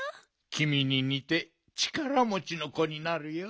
きみににてちからもちのこになるよ。